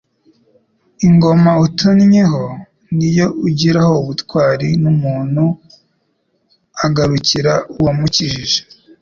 Ingoma utonnyeho niyo ugiraho ubutwari n'Umuntu agarukira uwamukijije.